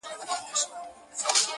• چي له عقله یې جواب غواړم ساده یم,